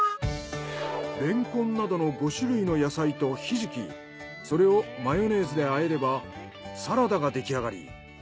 レンコンなどの５種類の野菜とひじきそれをマヨネーズで和えればサラダが出来上がり。